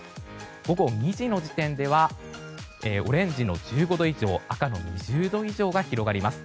午後２時の時点ではオレンジの１５度以上赤の２０度以上が広がります。